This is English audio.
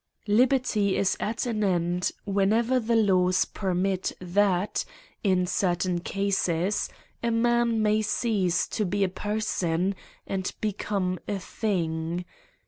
Liberty is at an end whenever the laws permit that, in certain cases, a man may cease to be a per son^ and become a thing.